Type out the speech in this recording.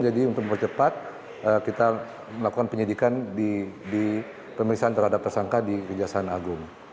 jadi untuk mempercepat kita melakukan penyidikan di pemeriksaan terhadap tersangka di kejaksaan agung